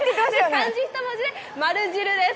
漢字１文字で、○汁です。